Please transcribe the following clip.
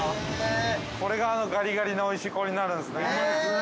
◆これが、あのガリガリのおいしい氷になるんですね。